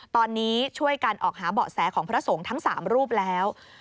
ตอนนี้ช่วยกันออกหาเบาะแสของพระสงฆ์ทั้ง๓รูปแล้ว